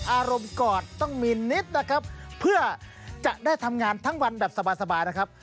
อารมณ์กอดต้องมีนิดนะครับเพื่อจะได้ทำงานทั้งวันแบบสบายนะครับ